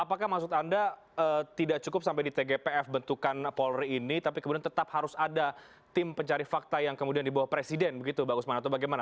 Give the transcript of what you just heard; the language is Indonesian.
apakah maksud anda tidak cukup sampai di tgpf bentukan polri ini tapi kemudian tetap harus ada tim pencari fakta yang kemudian di bawah presiden begitu bang usman atau bagaimana